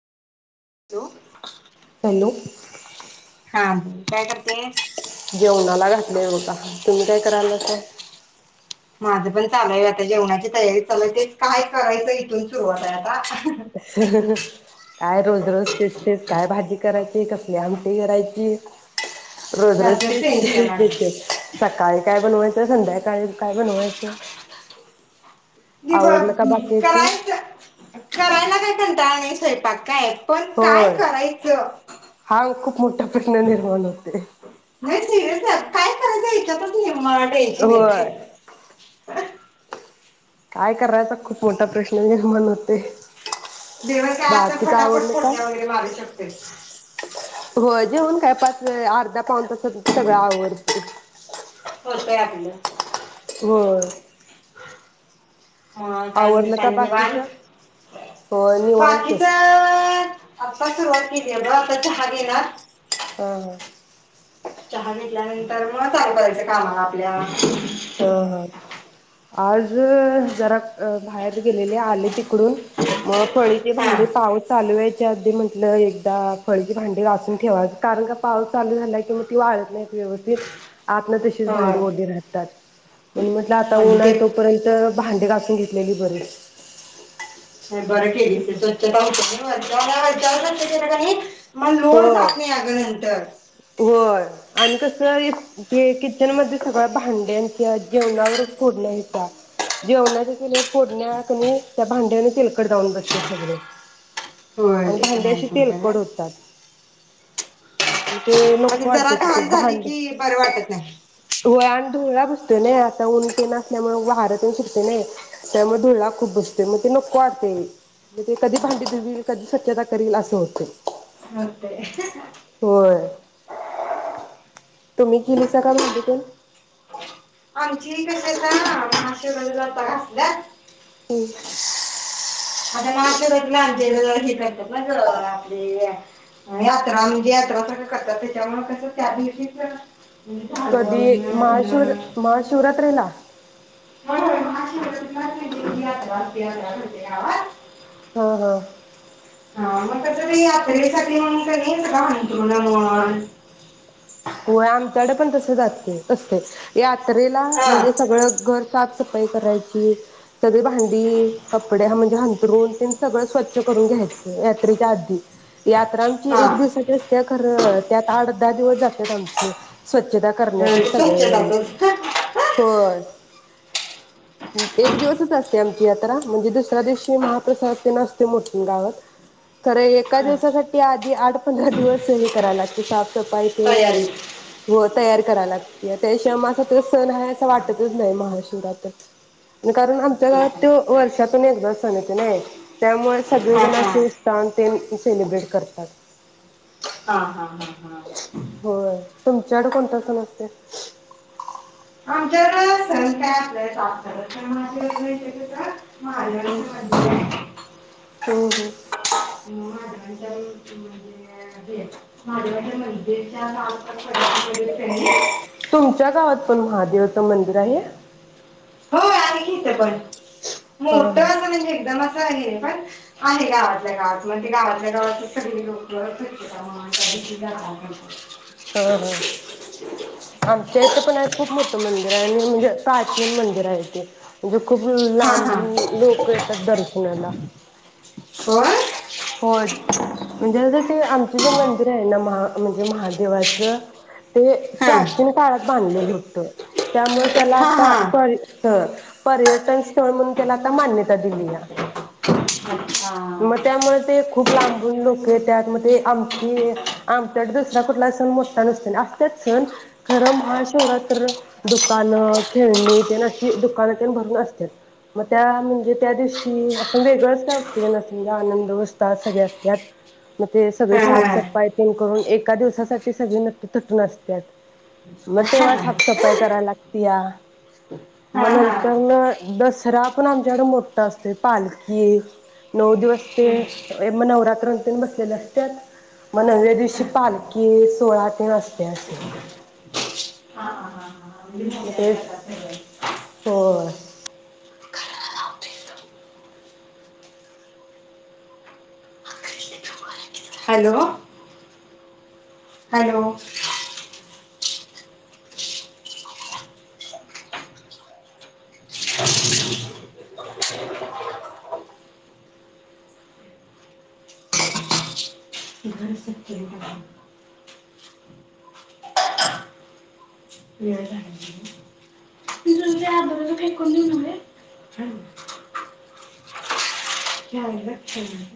Hello hello हा काय करते जेवणाला घातले बघ तुम्ही काय करायलाा. माझं पण चालय आता जेवणाची तयारी चालूयतेच काय करायचं. इथून सुरुवात आहे. आता मी काय रोज ररोज तेसतेच काय भाजी करायची. ठीसले आम काही करायची. रोज रज याच टेन्शन आलं सकाळी काय बनवायचं. संधाय काय काय बनवायचं. आवरलं का बाकीच करायच करायला काय कर. ाणी सर पापा काय पण काय होय करायचं हा खूप मोठा प्रश्न निर्माण होते. नाही सिरियस काय करायचं याच्या मार टेच बेठे होय काय करायच. खूप मोठा प्रश्नणत ते जेवण काय अस फटाफट काय? पोर्ज्या वगैरे मारू शकते. हो जेवन काय पा अर्धा पन तस सगळं आवड [unintelligible] होतंय आपलं हो ह काही का बाकी निवांत, बाकीच होय निवांत बाकीच आत्ता सुरुवात केली आहे ब आता चहा घेनार हा हा चहा घेतल्यानंतर म चालु करायचं कामाला आपल्या हा हा आज ज जरा बाहेर गेलेले आले तिकडून मग फळीची हा भांडी पाऊस चालू व्हायच्या आधी म्हंटलं एकदा फळीची भांडी घासून ठेवावी, कारण का पाऊस चालू झालाय कि मग ती वाढत नाहीत व्यवस्थित आतन तशीच होय भांडी ओली राहतात. म्हणून म्हटलं आता आणि ऊन ते आहे तोपर्यंत भांडे घासुन घेतल्याची बरी बरं केलंस, ‌ स्वच्छता होत्या, [inaudible] वरच्या वर केलीस किनी मग लोड होय जात नाही आग नंतर होय आणि कस ते किचन मध्ये सगळ्या भांड्यांच्या जेवणावर फोडण्या त्या जेवणाच्या सगळ फोडण्या कनी त्या भांड्यावरनी तिलकड जाऊन बसते सगळे होय आणि ते पण भांडी आहे अशी सोड खरं तेलकड होतात. [unintelligible] ते मग नको ती जरा वाढते तिथे घाण झाली भांड की बरं वाटत नाही होय आणि धुळ्ळा बस त नाही आता ऊन तेन असल्यामुळे वार तेन सुटते नाही, त्यामुळे धुळला खूप बसते मग ते नको वाढते म ते कधी भांडी दिरल कधी स्वच्छता करल असं होते. [unintelligible] बर तुम्ही केलीस का भांडी तेन आमची कशी आहेता महाशिवरात्रीला घासल्यात ह आता महाशिवरात्रीला आमच्या इथं जरा हे करतात ना गं आपली यात्रा म्हणजे यात्रा सगळं करतात त्याच्यामु कस त्या कधी झाडून महाशिर धुणं महाशिवरात्रेला होय होय महाशिवरात्र ला च मोठी यात्रा असते, यात्रा भरते गावात. हा हा हा मग कस यात्रेसाठी म्हनून कोणी हंतरुण म्हण हो आमच्याकडे पण तसेच असतय असते. जात्रेला हा म्हणजे सगळं घर साफ सफाई करायची सगळी भांडी, कपडे म्हणजे हंतरून तेन सगळं स्वच्छ करून घ्यायचं यात्रेच्या आधी यात्रा आमची हा एक दिवसाची असत्या खरं त्यात आठ दहा दिवसजा त्यात आमचं स्वच्छता स्वच्छताक. सगळे होय एक दिवसच असते आमची यात्रा म्हणजे, दुसऱ्या दिवशी महाप्रसाद ते नसते, मोठी गावात खर एका हा, दिवसासाठी आधी आठ पंधरा दिवस हे करा लागते साफसफाई, तेन तयारी. हो तयार करायला लागते त्याशिवाय असा त सण आहे. असं वाटतच नाही महाशिवरात्र आणि कारण आमच्या गावात त वर्षातून एकदा सण येते नाही. त्यामुळे सगळे हा जण हा असे उह ते सेलिब्रेट करतात. हा हा हा हा होय तुमच्याकड कोणत सन असतोय. आमच्याकडं सण काय आपल्या सासरं सण महादेवाचं माहिती आहे कसं महादेवाचं हम् मंदिर आहे होम होम. महादेवांच्या म्हणजे हे, महादेवाच्या मंदिरच्या सात त्यांनी तुमच्या गावात पण महादेवाचं मंदिर आहे? हो आणि पण [inaudible] हा हा एकदमच आहे पण आहे गावातल्या गावात म्हण गावातल्या गावात सगळी लोक [unintelligible] हा हा आमच्या इथ पण खूप मोठ मंदिर म्हणे प्राचीन मंदिर आहे ते म्हे खूप हा लांब हा लोक येतात दर्शनाला. होय. होय म्हणजे ते आमच जे मंदिर आहे ना महा म्हणजे महादेवाचं ते हा प्राचीन काळात बांधलेलं होतं. त्यामुळे त्याला हा आता हा पर्य पर्यटन स्थळ म्हणून त्याला आता मान्यता दिली या अच्छा मग हा त्यामुळे ते खूप लांबून लोक येत्यात मग ते आमची आमच्या दुसरा कुठला सण मोठा नसत, असतच सण खरं महा शिवरात्र दुकानं खेळणी ते अशी दुकानात भरून असतात मग त्या म्हणजे, त्या दिवशी असं वेगळंच काय उत्तेजन म्हजे आनंदतअस सगळे असतात मग ते सगळे हा साफसफाई प करून एका दिवसासाठी सगळे नट तटन असतात मग तेव्हा साफसफाई कराय लागते, या हा मग हा नंतर दसरा पण आमच्याकड मोठा असतो पालखी नऊ दिवस ते मग नवरात्रतीन बसलेले असतात. मग नव्या दिवशी पालखी सोळा ते असते अस. हा हा म्हणजे म मोठ्या तेच करतात सगळं होय. हॅलो हॅलो घर सत्य वेळ झाला. तुझ्या आबरूला फेकून देऊ नव्हे हा, घ्या, लक्ष द्या.